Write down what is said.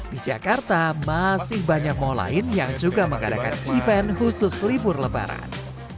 di jakarta masih banyak mal lain yang juga mengadakan event khusus libur lebaran